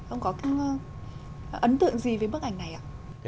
ông có ấn tượng gì với bức ảnh này ạ